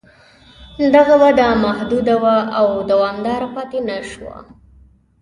دغه وده محدوده وه او دوامداره پاتې نه شوه